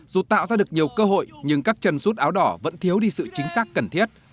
dù tạo ra được nhiều cơ hội nhưng các chân rút áo đỏ vẫn thiếu đi sự chính xác cần thiết